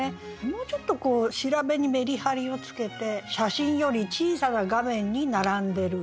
もうちょっとこう調べにメリハリをつけて「写真より小さな画面に並んでる」。